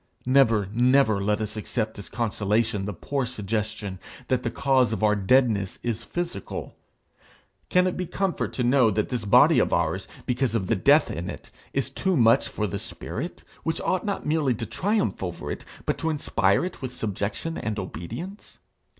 Never, never let us accept as consolation the poor suggestion, that the cause of our deadness is physical. Can it be comfort to know that this body of ours, because of the death in it, is too much for the spirit which ought not merely to triumph over it, but to inspire it with subjection and obedience?